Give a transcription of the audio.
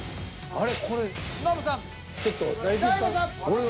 あれ？